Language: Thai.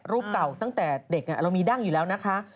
รูปเก่าตั้งแต่เด็กเรามีดั้งอยู่แล้วนะคะ